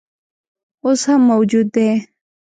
اوس هم موجود دی.